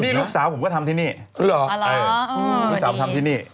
นี่ลูกสาวผมก็ทำที่นี่ลูกสาวทำที่นี่